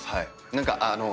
何かあの。